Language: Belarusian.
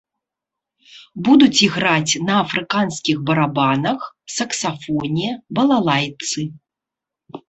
Будуць іграць на афрыканскіх барабанах, саксафоне, балалайцы.